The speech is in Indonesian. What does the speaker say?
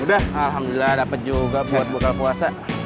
alhamdulillah dapet juga buat bukal puasa